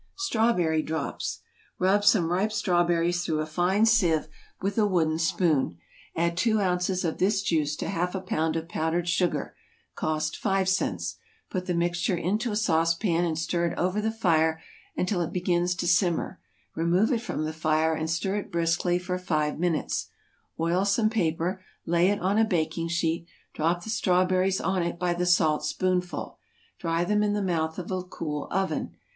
=Strawberry Drops.= Rub some ripe strawberries through a fine seive with a wooden spoon; add two ounces of this juice to half a pound of powdered sugar, (cost five cents,) put the mixture into a saucepan and stir it over the fire until it begins to simmer; remove it from the fire, and stir it briskly for five minutes, oil some paper, lay it on a baking sheet, drop the strawberries on it by the salt spoonful, dry them in the mouth of a cool oven.